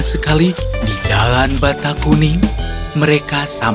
oh kamu manggel kelineresan